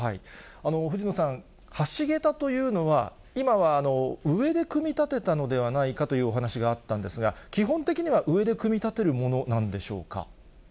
藤野さん、橋桁というのは、今は上で組み立てたのではないかというお話があったんですが、基本的には上で組み立てるものなんでしょうか。